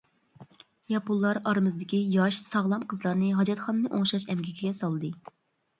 ياپونلار ئارىمىزدىكى ياش، ساغلام قىزلارنى ھاجەتخانىنى ئوڭشاش ئەمگىكىگە سالدى.